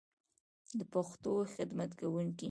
د پښتو خدمت کوونکی